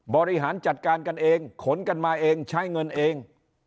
บริหารจัดการกันเองขนกันมาเองใช้เงินเอง